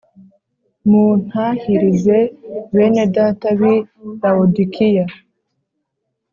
Muntahirize bene Data b’i Lawodikiya